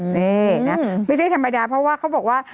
นี่นะไม่ใช่ธรรมดาเพราะว่าเขาบอกว่า